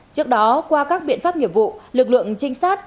trước đó qua các biện pháp nghiệp vụ lực lượng trinh sát